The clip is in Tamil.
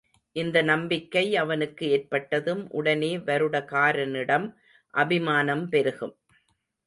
இந்த நம்பிக்கை அவனுக்கு ஏற்பட்டதும் உடனே வருடகாரனிடம் அபிமானம் பெருகும்.